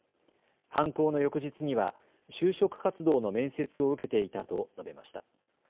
犯行の翌日には就職活動の面接を受けていたと述べました。